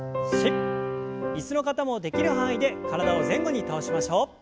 椅子の方もできる範囲で体を前後に倒しましょう。